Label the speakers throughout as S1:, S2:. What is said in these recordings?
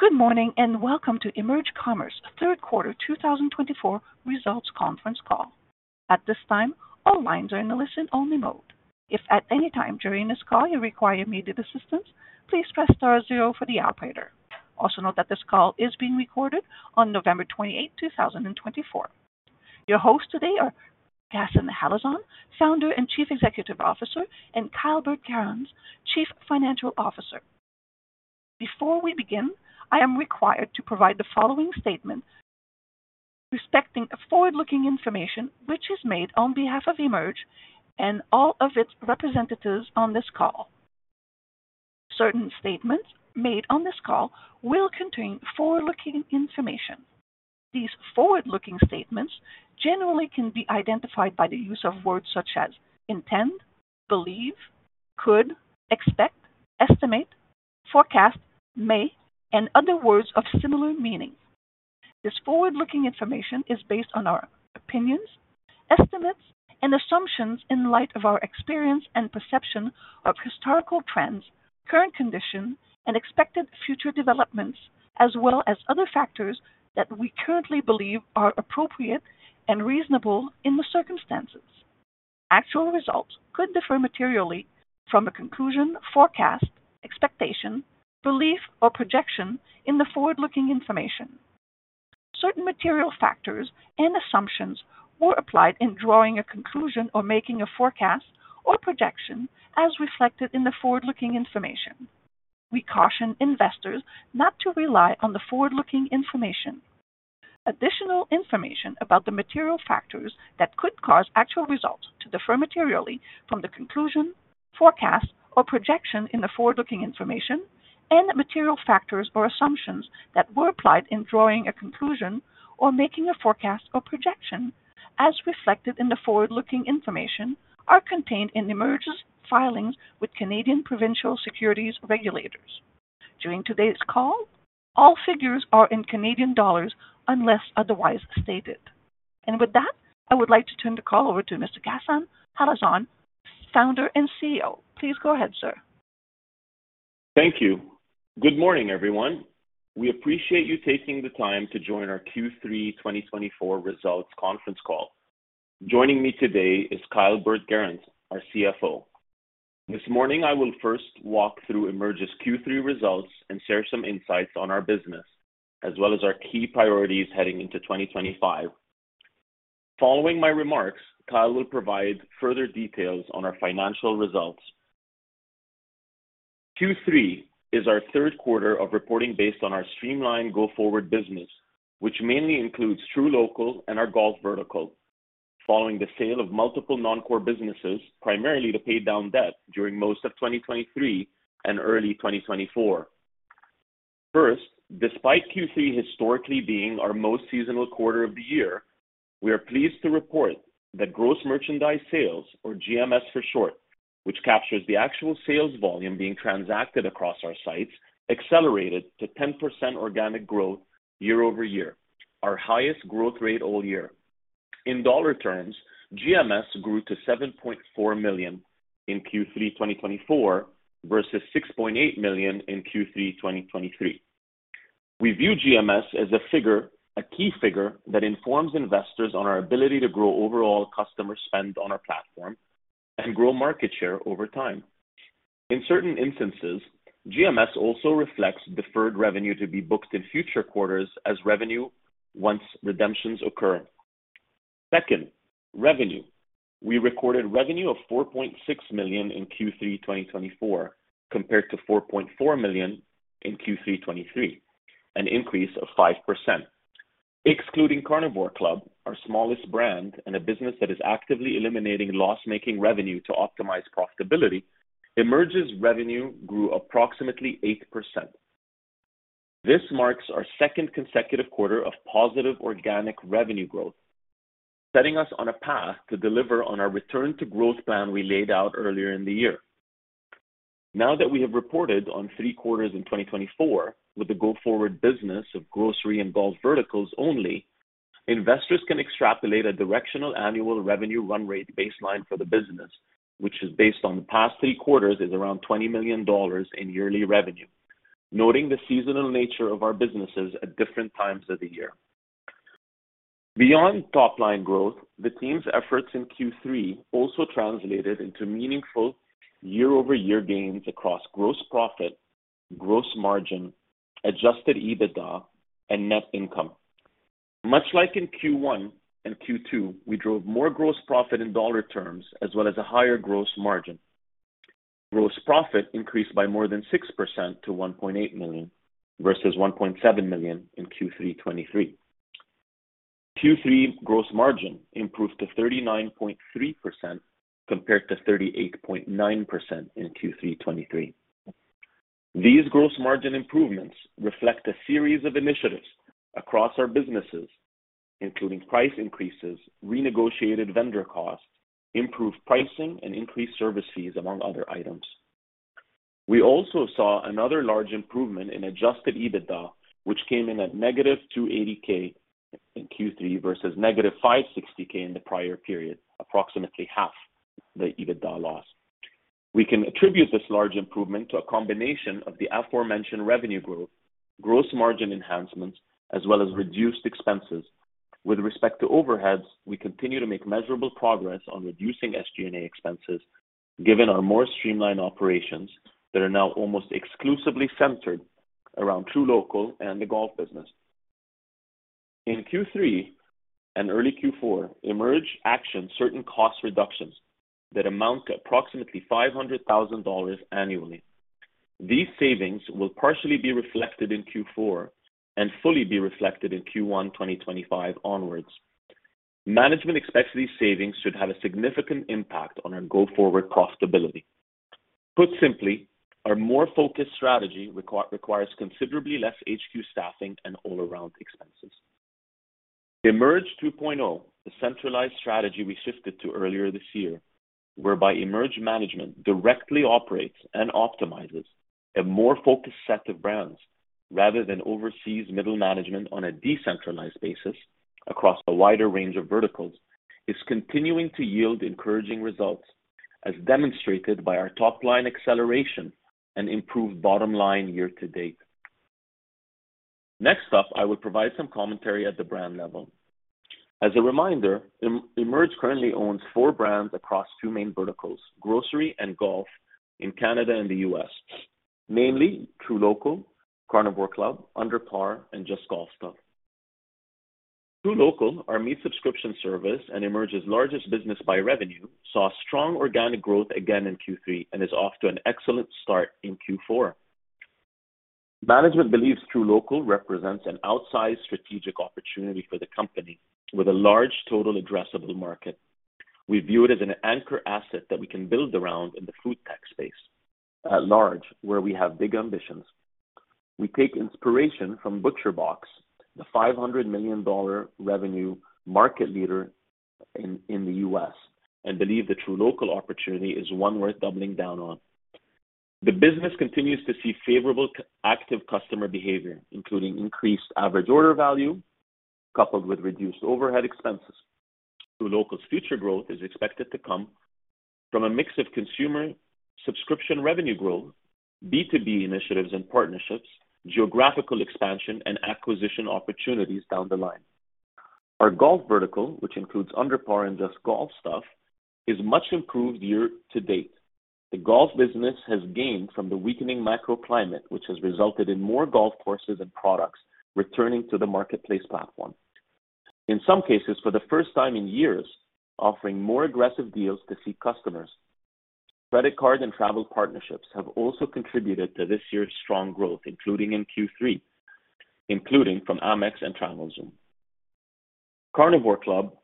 S1: Good morning and welcome to EMERGE Commerce third quarter 2024 results conference call. At this time, all lines are in a listen-only mode. If at any time during this call you require immediate assistance, please press star zero for the operator. Also note that this call is being recorded on November 28, 2024. Your hosts today are Ghassan Halazon, Founder and Chief Executive Officer, and Kyle Burt-Gerrans, Chief Financial Officer. Before we begin, I am required to provide the following statement respecting forward-looking information which is made on behalf of EMERGE and all of its representatives on this call. Certain statements made on this call will contain forward-looking information. These forward-looking statements generally can be identified by the use of words such as intend, believe, could, expect, estimate, forecast, may, and other words of similar meaning. This forward-looking information is based on our opinions, estimates, and assumptions in light of our experience and perception of historical trends, current condition, and expected future developments, as well as other factors that we currently believe are appropriate and reasonable in the circumstances. Actual results could differ materially from a conclusion, forecast, expectation, belief, or projection in the forward-looking information. Certain material factors and assumptions were applied in drawing a conclusion or making a forecast or projection as reflected in the forward-looking information. We caution investors not to rely on the forward-looking information. Additional information about the material factors that could cause actual results to differ materially from the conclusion, forecast, or projection in the forward-looking information, and material factors or assumptions that were applied in drawing a conclusion or making a forecast or projection as reflected in the forward-looking information are contained in EMERGE's filings with Canadian provincial securities regulators. During today's call, all figures are in Canadian dollars unless otherwise stated. With that, I would like to turn the call over to Mr. Ghassan Halazon, Founder and CEO. Please go ahead, sir.
S2: Thank you. Good morning, everyone. We appreciate you taking the time to join our Q3 2024 results conference call. Joining me today is Kyle Burt-Gerrans, our CFO. This morning, I will first walk through EMERGE's Q3 results and share some insights on our business, as well as our key priorities heading into 2025. Following my remarks, Kyle will provide further details on our financial results. Q3 is our third quarter of reporting based on our streamlined go-forward business, which mainly includes truLOCAL and our golf vertical, following the sale of multiple non-core businesses, primarily to pay down debt during most of 2023 and early 2024. First, despite Q3 historically being our most seasonal quarter of the year, we are pleased to report that gross merchandise sales, or GMS for short, which captures the actual sales volume being transacted across our sites, accelerated to 10% organic growth year over year, our highest growth rate all year. In dollar terms, GMS grew to 7.4 million in Q3 2024 versus 6.8 million in Q3 2023. We view GMS as a key figure that informs investors on our ability to grow overall customer spend on our platform and grow market share over time. In certain instances, GMS also reflects deferred revenue to be booked in future quarters as revenue once redemptions occur. Second, revenue. We recorded revenue of 4.6 million in Q3 2024 compared to 4.4 million in Q3 2023, an increase of 5%. Excluding Carnivore Club, our smallest brand and a business that is actively eliminating loss-making revenue to optimize profitability, EMERGE's revenue grew approximately 8%. This marks our second consecutive quarter of positive organic revenue growth, setting us on a path to deliver on our return-to-growth plan we laid out earlier in the year. Now that we have reported on three quarters in 2024 with the go-forward business of grocery and golf verticals only, investors can extrapolate a directional annual revenue run rate baseline for the business, which is based on the past three quarters is around 20 million dollars in yearly revenue, noting the seasonal nature of our businesses at different times of the year. Beyond top-line growth, the team's efforts in Q3 also translated into meaningful year-over-year gains across gross profit, gross margin, Adjusted EBITDA, and net income. Much like in Q1 and Q2, we drove more gross profit in dollar terms as well as a higher gross margin. Gross profit increased by more than 6% to 1.8 million versus 1.7 million in Q3 2023. Q3 gross margin improved to 39.3% compared to 38.9% in Q3 2023. These gross margin improvements reflect a series of initiatives across our businesses, including price increases, renegotiated vendor costs, improved pricing, and increased service fees, among other items. We also saw another large improvement in adjusted EBITDA, which came in at negative 280,000 in Q3 versus negative 560,000 in the prior period, approximately half the EBITDA loss. We can attribute this large improvement to a combination of the aforementioned revenue growth, gross margin enhancements, as well as reduced expenses. With respect to overheads, we continue to make measurable progress on reducing SG&A expenses, given our more streamlined operations that are now almost exclusively centered around truLOCAL and the golf business. In Q3 and early Q4, EMERGE actioned certain cost reductions that amount to approximately 500,000 dollars annually. These savings will partially be reflected in Q4 and fully be reflected in Q1 2025 onwards. Management expects these savings to have a significant impact on our go-forward profitability. Put simply, our more focused strategy requires considerably less HQ staffing and all-around expenses. EMERGE 2.0, the centralized strategy we shifted to earlier this year, whereby EMERGE management directly operates and optimizes a more focused set of brands rather than oversees middle management on a decentralized basis across a wider range of verticals, is continuing to yield encouraging results, as demonstrated by our top-line acceleration and improved bottom line year to date. Next up, I will provide some commentary at the brand level. As a reminder, EMERGE currently owns four brands across two main verticals, grocery and golf, in Canada and the U.S., namely truLOCAL, Carnivore Club, UnderPar, and Just Golf Stuff. truLOCAL, our meat subscription service and EMERGE's largest business by revenue, saw strong organic growth again in Q3 and is off to an excellent start in Q4. Management believes truLOCAL represents an outsized strategic opportunity for the company with a large total addressable market. We view it as an anchor asset that we can build around in the food tech space at large, where we have big ambitions. We take inspiration from ButcherBox, the $500 million revenue market leader in the U.S., and believe the truLOCAL opportunity is one worth doubling down on. The business continues to see favorable active customer behavior, including increased average order value coupled with reduced overhead expenses. truLOCAL's future growth is expected to come from a mix of consumer subscription revenue growth, B2B initiatives and partnerships, geographical expansion, and acquisition opportunities down the line. Our golf vertical, which includes UnderPar and Just Golf Stuff, is much improved year to date. The golf business has gained from the weakening macro climate, which has resulted in more golf courses and products returning to the marketplace platform. In some cases, for the first time in years, offering more aggressive deals to seek customers. Credit card and travel partnerships have also contributed to this year's strong growth, including in Q3, including from Amex and Travelzoo. Carnivore Club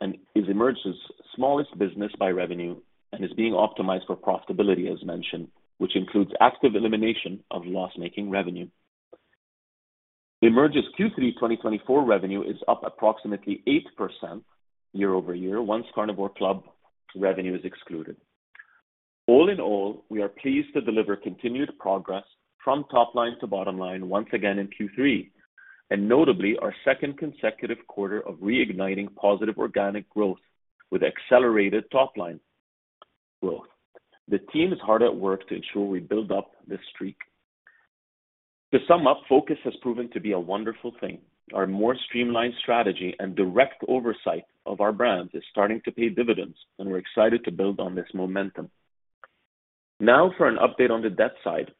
S2: is EMERGE's smallest business by revenue and is being optimized for profitability, as mentioned, which includes active elimination of loss-making revenue. EMERGE's Q3 2024 revenue is up approximately 8% year over year once Carnivore Club revenue is excluded. All in all, we are pleased to deliver continued progress from top-line to bottom line once again in Q3, and notably, our second consecutive quarter of reigniting positive organic growth with accelerated top-line growth. The team is hard at work to ensure we build up this streak. To sum up, focus has proven to be a wonderful thing. Our more streamlined strategy and direct oversight of our brands is starting to pay dividends, and we're excited to build on this momentum. Now, for an update on the debt side.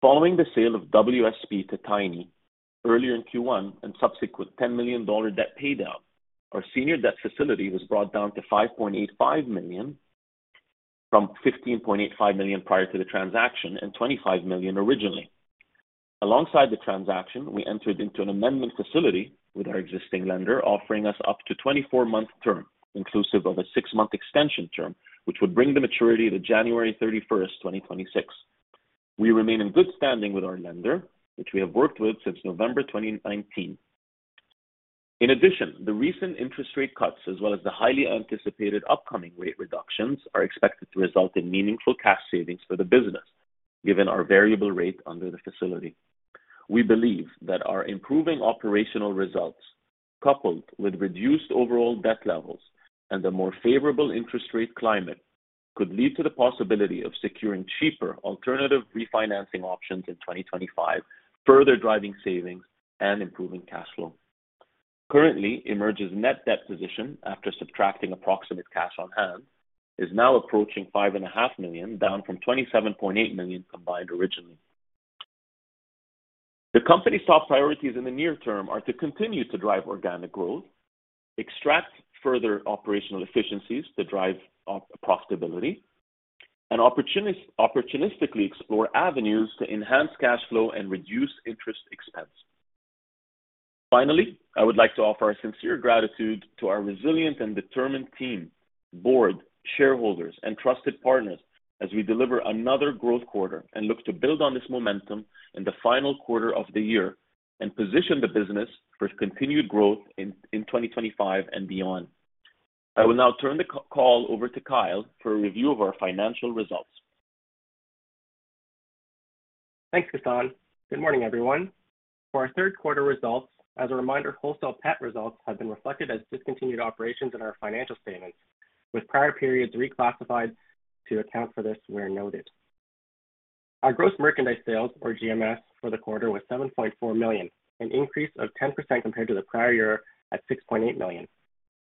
S2: Following the sale of WSP to Tiny earlier in Q1 and subsequent 10 million dollar debt paydown, our senior debt facility was brought down to 5.85 million from 15.85 million prior to the transaction and 25 million originally. Alongside the transaction, we entered into an amendment facility with our existing lender, offering us up to a 24-month term, inclusive of a six-month extension term, which would bring the maturity to January 31, 2026. We remain in good standing with our lender, which we have worked with since November 2019. In addition, the recent interest rate cuts, as well as the highly anticipated upcoming rate reductions, are expected to result in meaningful cash savings for the business, given our variable rate under the facility. We believe that our improving operational results, coupled with reduced overall debt levels and a more favorable interest rate climate, could lead to the possibility of securing cheaper alternative refinancing options in 2025, further driving savings and improving cash flow. Currently, EMERGE's net debt position, after subtracting approximate cash on hand, is now approaching 5.5 million, down from 27.8 million combined originally. The company's top priorities in the near term are to continue to drive organic growth, extract further operational efficiencies to drive profitability, and opportunistically explore avenues to enhance cash flow and reduce interest expense. Finally, I would like to offer our sincere gratitude to our resilient and determined team, board, shareholders, and trusted partners as we deliver another growth quarter and look to build on this momentum in the final quarter of the year and position the business for continued growth in 2025 and beyond. I will now turn the call over to Kyle for a review of our financial results.
S3: Thanks, Ghassan. Good morning, everyone. For our third quarter results, as a reminder, WholesalePet results have been reflected as discontinued operations in our financial statements, with prior periods reclassified to account for this where noted. Our gross merchandise sales, or GMS, for the quarter was $7.4 million, an increase of 10% compared to the prior year at $6.8 million.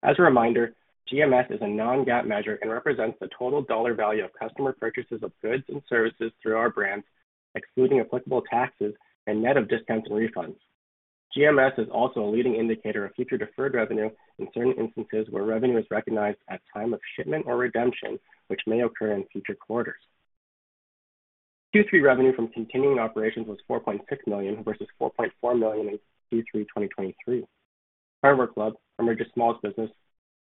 S3: As a reminder, GMS is a non-GAAP measure and represents the total dollar value of customer purchases of goods and services through our brands, excluding applicable taxes and net of discounts and refunds. GMS is also a leading indicator of future deferred revenue in certain instances where revenue is recognized at the time of shipment or redemption, which may occur in future quarters. Q3 revenue from continuing operations was $4.6 million versus $4.4 million in Q3 2023. Carnivore Club, EMERGE's smallest business,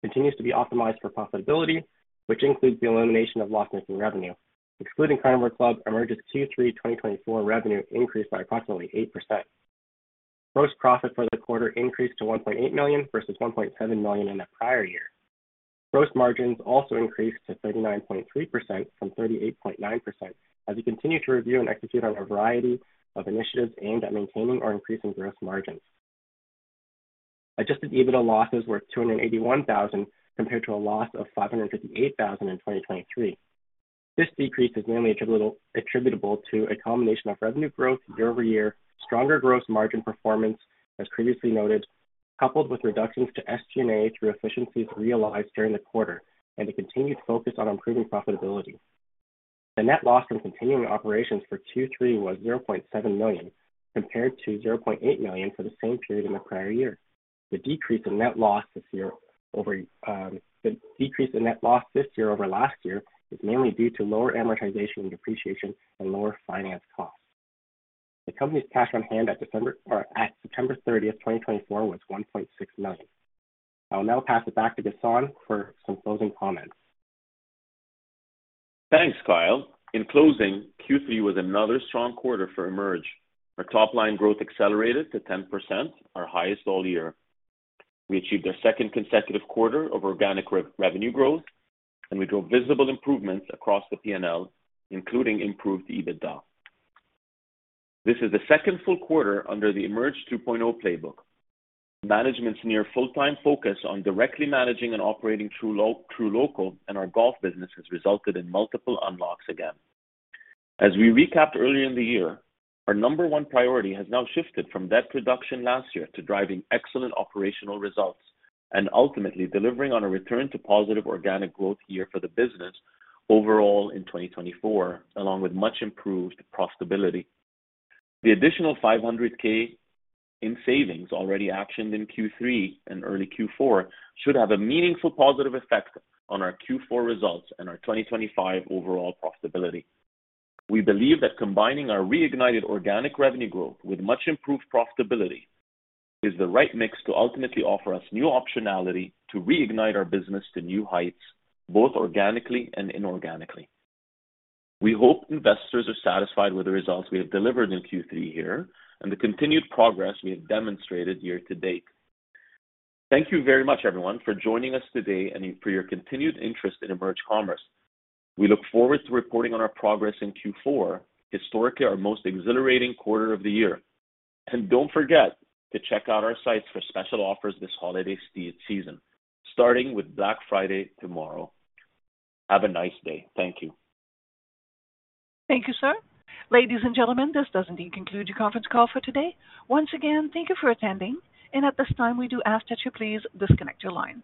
S3: continues to be optimized for profitability, which includes the elimination of loss-making revenue. Excluding Carnivore Club, EMERGE's Q3 2024 revenue increased by approximately 8%. Gross profit for the quarter increased to 1.8 million versus 1.7 million in the prior year. Gross margins also increased to 39.3% from 38.9% as we continue to review and execute on a variety of initiatives aimed at maintaining or increasing gross margins. Adjusted EBITDA losses were 281,000 compared to a loss of 558,000 in 2023. This decrease is mainly attributable to a combination of revenue growth year over year, stronger gross margin performance, as previously noted, coupled with reductions to SG&A through efficiencies realized during the quarter, and a continued focus on improving profitability. The net loss from continuing operations for Q3 was 0.7 million compared to 0.8 million for the same period in the prior year. The decrease in net loss this year over last year is mainly due to lower amortization and depreciation and lower finance costs. The company's cash on hand at September 30, 2024, was 1.6 million. I will now pass it back to Ghassan for some closing comments.
S2: Thanks, Kyle. In closing, Q3 was another strong quarter for EMERGE. Our top-line growth accelerated to 10%, our highest all year. We achieved our second consecutive quarter of organic revenue growth, and we drove visible improvements across the P&L, including improved EBITDA. This is the second full quarter under the EMERGE 2.0 playbook. Management's near full-time focus on directly managing and operating truLOCAL and our golf business has resulted in multiple unlocks again. As we recapped earlier in the year, our number one priority has now shifted from debt reduction last year to driving excellent operational results and ultimately delivering on a return to positive organic growth year for the business overall in 2024, along with much improved profitability. The additional 500,000 in savings already actioned in Q3 and early Q4 should have a meaningful positive effect on our Q4 results and our 2025 overall profitability. We believe that combining our reignited organic revenue growth with much improved profitability is the right mix to ultimately offer us new optionality to reignite our business to new heights, both organically and inorganically. We hope investors are satisfied with the results we have delivered in Q3 here and the continued progress we have demonstrated year to date. Thank you very much, everyone, for joining us today and for your continued interest in EMERGE Commerce. We look forward to reporting on our progress in Q4, historically our most exhilarating quarter of the year. And don't forget to check out our sites for special offers this holiday season, starting with Black Friday tomorrow. Have a nice day. Thank you.
S1: Thank you, sir. Ladies and gentlemen, this does indeed conclude your conference call for today. Once again, thank you for attending, and at this time, we do ask that you please disconnect your lines.